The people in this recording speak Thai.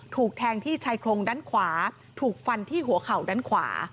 ถูกแทงที่ชายโครงด้านขวาถูกฟันที่หัวเข่าด้านขวา